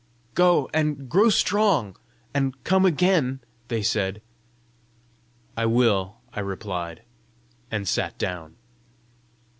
"Go and grow strong, and come again," they said. "I will," I replied and sat down.